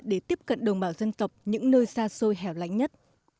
để tiếp cận đồng bào dân tộc những nơi xa xôi hẻo lánh nhất